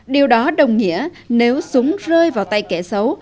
điều đó đồng nghĩa nếu súng rơi vào tay kẻ xấu